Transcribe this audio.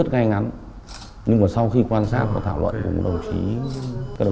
thì là thấy dấu vết bỡ rất là mờ